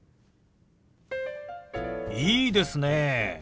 いいですね。